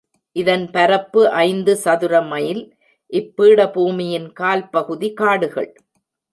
இதன் பரப்பு ஐந்து சதுரமைல், இப்பீடபூமியின் கால்பகுதி காடுகள்.